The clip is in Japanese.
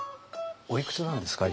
おいくつなんですか？